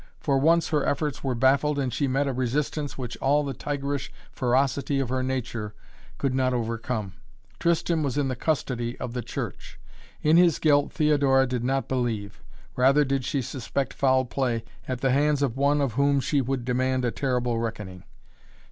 For once her efforts were baffled and she met a resistance which all the tigerish ferocity of her nature could not overcome. Tristan was in the custody of the Church. In his guilt Theodora did not believe, rather did she suspect foul play at the hands of one of whom she would demand a terrible reckoning.